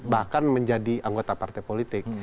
bahkan menjadi anggota partai politik